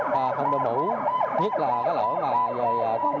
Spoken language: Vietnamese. nhất là cái lỗi